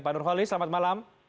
pak nurholis selamat malam